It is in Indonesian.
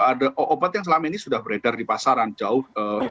ada obat yang selama ini sudah beredar di pasaran jauh